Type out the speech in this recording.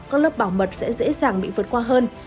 các lớp bảo mật sẽ dễ dàng bị vượt qua hơn